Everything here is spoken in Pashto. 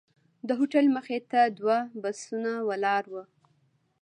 د هوټل مخې ته دوه بسونه ولاړ وو.